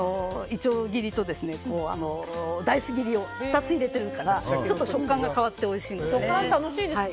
いちょう切りと、ダイス切りを２つ入れてるからちょっと食感が変わっておいしいです。